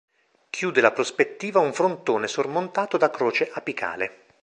Chiude la prospettiva un frontone sormontato da croce apicale.